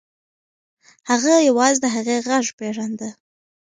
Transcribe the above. هغه یوازې د هغې غږ پیژانده.